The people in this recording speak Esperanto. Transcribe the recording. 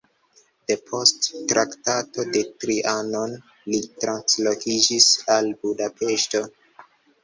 Depost Traktato de Trianon li translokiĝis al Budapeŝto.